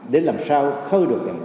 để làm sao khơi được